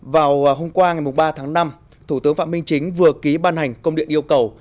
vào hôm qua ngày ba tháng năm thủ tướng phạm minh chính vừa ký ban hành công điện yêu cầu